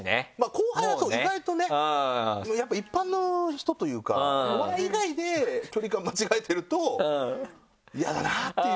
後輩はそう意外とねやっぱ一般の人というかお笑い以外で距離感間違えてると嫌だなっていう。